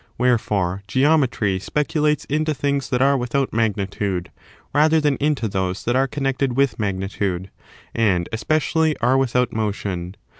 Wherefore, Geometry speculates into things that are without magnitude, rather than into those that are connected with magnitude, and especially are without motion.